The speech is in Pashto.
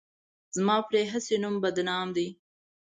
زما پرې هسې نوم بدنام دی.